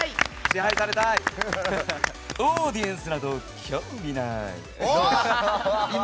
オーディエンスなど興味ない。